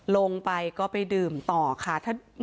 ลงไปก็ไปดื่มต่อค่ะ